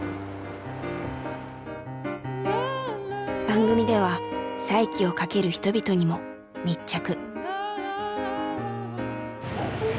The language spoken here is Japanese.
番組では再起をかける人々にも密着。